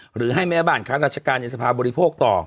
หรือให้แม่บ้านค้าราชการในสภาบริโภคต่อ